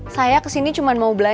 saya kesini cuma mau belajar